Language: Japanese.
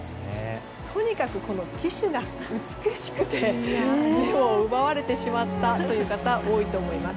とにかくこの旗手が美しくて目を奪われてしまった方多いと思います。